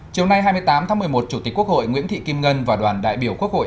chiều nay hai mươi tám tháng một mươi một chủ tịch quốc hội nguyễn thị kim ngân và đoàn đại biểu quốc hội